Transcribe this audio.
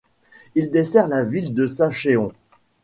Il dessert la ville de Sachéon.